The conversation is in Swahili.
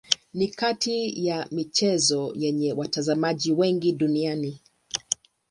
Ni kati ya michezo yenye watazamaji wengi duniani.